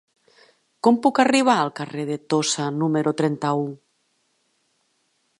Com puc arribar al carrer de Tossa número trenta-u?